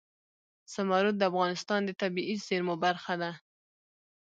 زمرد د افغانستان د طبیعي زیرمو برخه ده.